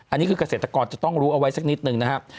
อันนี้คือเกษตรกรจะต้องรู้เอาไว้สักนิดนึงนะครับ